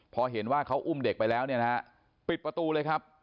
พอเห็นว่าเขาอุ้มเด็กไปแล้วเนี่ยนะฮะปิดประตูเลยครับ